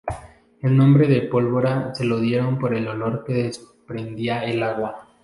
El nombre de Pólvora se lo dieron por el olor que desprendía el agua.